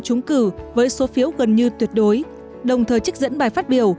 trúng cử với số phiếu gần như tuyệt đối đồng thời trích dẫn bài phát biểu